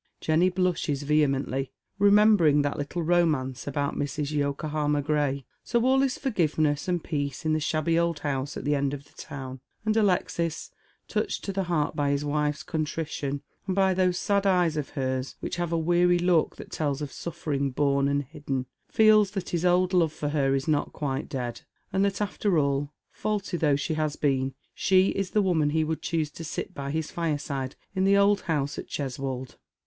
Jenny blushes vehemently, remembering that little romance about Mrs. Yokohama Gray. So all is forgiveness and peace in the shabby old house at the end of the town, and Alexis, touched to the heart by his wife's contrition, and by those sad eyes of hers which have a weary look that tells of suffering borne and hidden, feels that his old love for her is not quite dead, and that after all, faulty though she has been, she is the woman he would choose to sit by his fireside in the old house at Cheswold.